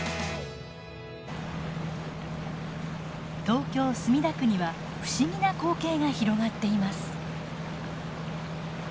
東京・墨田区には不思議な光景が広がっています。